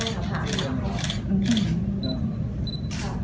ใช่ค่ะพาของมา